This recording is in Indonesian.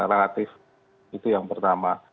relatif itu yang pertama